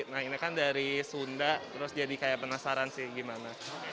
nah ini kan dari sunda terus jadi kayak penasaran sih gimana